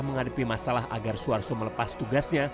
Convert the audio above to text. menghadapi masalah agar suar so melepas tugasnya